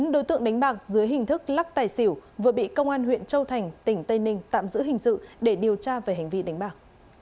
bốn đối tượng đánh bạc dưới hình thức lắc tài xỉu vừa bị công an huyện châu thành tỉnh tây ninh tạm giữ hình sự để điều tra về hành vi đánh bạc